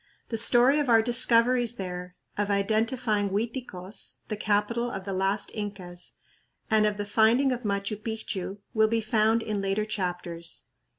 The story of our discoveries there, of identifying Uiticos, the capital of the last Incas, and of the finding of Machu Picchu will be found in later chapters.